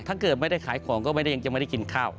ถ้าเกิดไม่ได้ขายของก็ยังไม่ได้กินข้าว